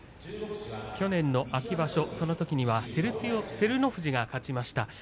去年の秋場所そのときには照ノ富士が勝ちました。